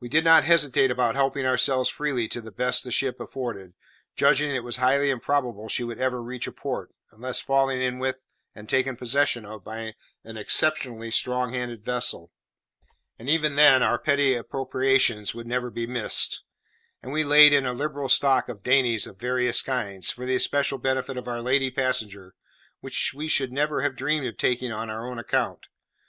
We did not hesitate about helping ourselves freely to the best the ship afforded, judging that it was highly improbable she would ever reach a port, unless fallen in with and taken possession of by an exceptionally strong handed vessel (and even then our petty appropriations would never be missed); and we laid in a liberal stock of dainties of various kinds, for the especial benefit of our lady passenger, which we should never have dreamed of taking on our own account.